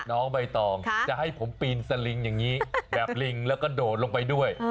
น้องใบตองจะให้ผมปีนสลิงอย่างนี้แบบลิงแล้วก็โดดลงไปด้วย